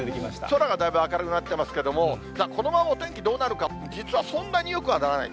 空が明るくなってきましたが、このままお天気どうなるか、実はそんなによくはならない。